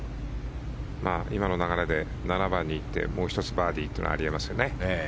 今の流れで７番に行ってもう１つバーディーというのはあり得ますよね。